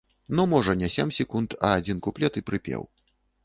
Ну, можа, не сем секунд, а адзін куплет і прыпеў.